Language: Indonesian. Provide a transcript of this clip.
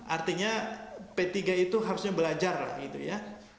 artinya p tiga itu harusnya belajar lah gitu ya